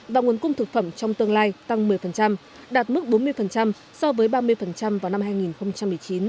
và nguồn cung thực phẩm trong tương lai tăng một mươi đạt mức bốn mươi so với ba mươi vào năm hai nghìn một mươi chín